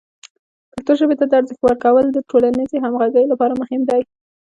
پښتو ژبې ته د ارزښت ورکول د ټولنیزې همغږۍ لپاره مهم دی.